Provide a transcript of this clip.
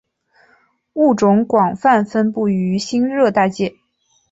物种广泛分布于新热带界。